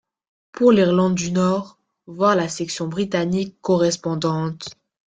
Pour l'Irlande du Nord, voir la section britannique correspondante.